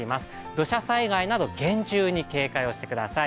土砂災害など厳重に警戒をしてください。